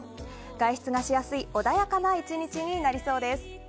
外出がしやすい穏やかな１日になりそうです。